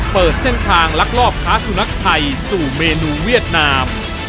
เปิดเส้นทางลักลอบค้าสุนัขไทยสู่เมนูเวียดนาม